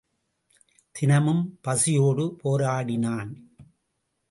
தினமும் பசியோடு போராடினான்.